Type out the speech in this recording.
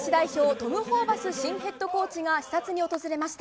トム・ホーバス新ヘッドコーチが視察に訪れました。